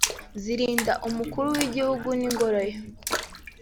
zirinda Umukuru w’Igihugu n’ingoro ye